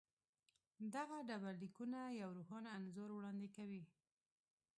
دغه ډبرلیکونه یو روښانه انځور وړاندې کوي.